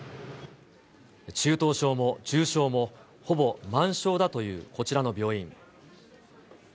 中等症も重症も、ほぼ満床だという、こちらの病院。